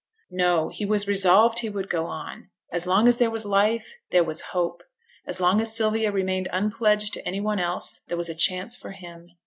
No; he was resolved he would go on; as long as there was life there was hope; as long as Sylvia remained unpledged to any one else, there was a chance for him.